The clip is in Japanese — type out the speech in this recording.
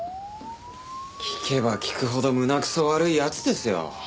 聞けば聞くほど胸くそ悪い奴ですよ。